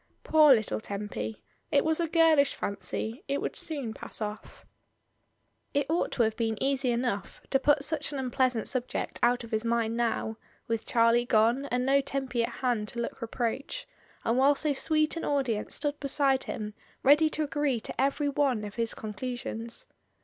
Poor little Tempy, it was a girlish fanqr; it would soon pass off. .,. It ought to have been easy enough to put such an impleasant subject out of his mind now, with Charlie gone and no Tempy at hand to look re proach, and while so sweet an audience stood be side him ready to agree to every one of his con clusions.